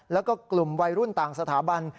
แล้วก็กลุ่มวัยรุ่นต่างสถาบัน